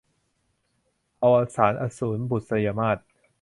อวสานอสูร - บุษยมาส